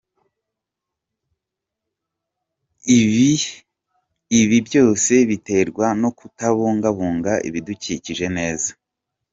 Ibi byose biterwa no kutabungabunga ibidukikije neza.